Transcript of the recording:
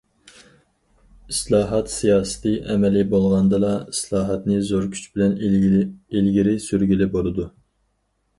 ئىسلاھات سىياسىتى ئەمەلىي بولغاندىلا، ئىسلاھاتنى زور كۈچ بىلەن ئىلگىرى سۈرگىلى بولىدۇ.